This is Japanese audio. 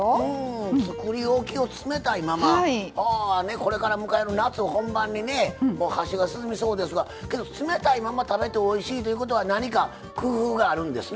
これから迎える夏本番にね箸が進みそうですがけど冷たいまま食べておいしいということは何か工夫があるんですな？